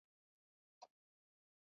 نوی کګوتلا هم تاسیس شو.